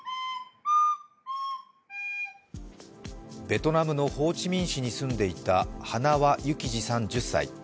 ベトナムのホーチミン市に住んでいた塙幸士さん１０歳。